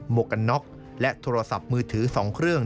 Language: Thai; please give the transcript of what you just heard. วกกันน็อกและโทรศัพท์มือถือ๒เครื่อง